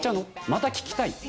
また聴きたいと。